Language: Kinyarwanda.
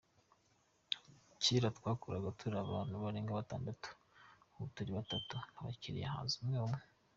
Kera twakoraga turi abantu barenga batandatu, ubu turi batatu, abakiriya haza umwe umwe.